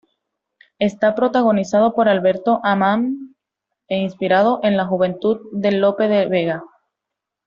Está protagonizado por Alberto Ammann e inspirado en la juventud de Lope de Vega.